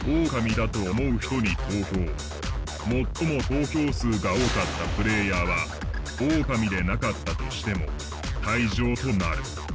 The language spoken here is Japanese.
最も投票数が多かったプレイヤーはオオカミでなかったとしても退場となる。